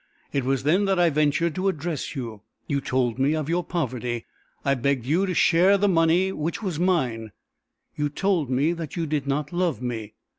It was then that I ventured to address you. You told me of your poverty; I begged you to share the money which was mine; you told me that you did not love me.